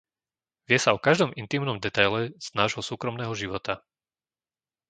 Vie sa o každom intímnom detaile z nášho súkromného života.